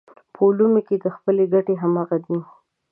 په علومو کې خپلې ګټې همغه دي.